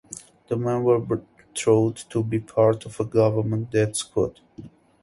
The men were thought to be part of a government "death squad.".